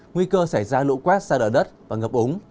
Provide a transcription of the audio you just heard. nguy cơ xảy ra lũ quét xa đỡ đất và ngập ống